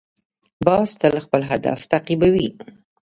باز تل خپل هدف تعقیبوي